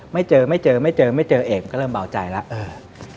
ไม่เจอเอกก็เริ่มเบาใจแล้ว